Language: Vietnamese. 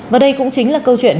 và đây cũng chính là câu chuyện